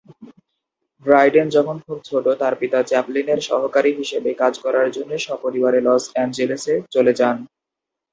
Dryden যখন খুব ছোট, তার পিতা চ্যাপলিনের সহকারী হিসেবে কাজ করার জন্য সপরিবারে লস অ্যাঞ্জেলেসে চলে যান।